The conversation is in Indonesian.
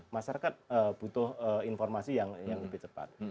masyarakat butuh informasi yang lebih cepat